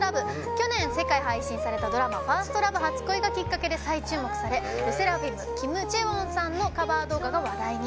去年、世界配信されたドラマ「ＦｉｒｓｔＬｏｖｅ初恋」がきっかけで最注目されＬＥＳＳＥＲＡＦＩＭキム・チェウォンさんのカバー動画が話題に。